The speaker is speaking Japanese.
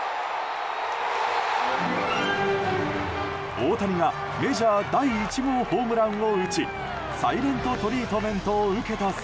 大谷がメジャー第１号ホームランを打ちサイレント・トリートメントを受けた際